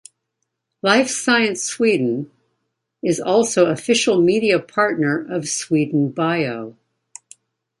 "Life Science Sweden" is also official media partner of Sweden Bio.